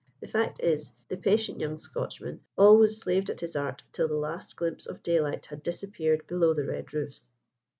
The fact is, the patient young Scotchman always slaved at his art till the last glimpse of daylight had disappeared below the red roofs.